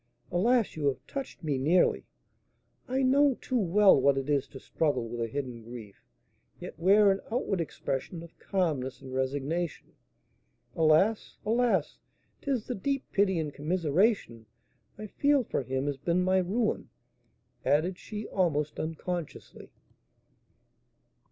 "Alas! you have touched me nearly; I know too well what it is to struggle with a hidden grief, yet wear an outward expression of calmness and resignation. Alas! alas! 'tis the deep pity and commiseration I feel for him has been my ruin," added she, almost unconsciously.